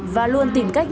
và luôn tìm cách